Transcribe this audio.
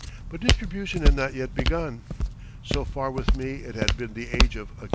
But distribution had not yet begun. So far with me it had been the age of accumulation.